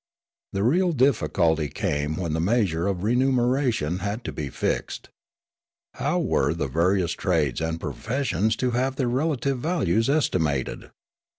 The real diflBculty came when the measure of remuneration had to be fixed. How were the various trades and professions to have their relative values estimated